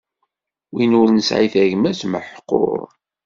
Win ur nesɛi tagmat, meḥquṛ.